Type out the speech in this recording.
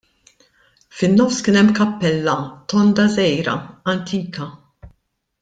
Fin-nofs kien hemm kappella tonda żgħira, antika.